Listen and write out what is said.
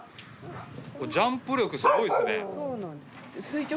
ジャンプ力すごいですね。